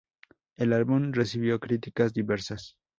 El álbum recibió críticas diversas.